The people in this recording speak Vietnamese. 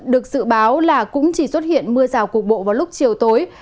được dự báo là cũng chỉ xuất hiện mưa rào cục bộ vào lúc chiều tối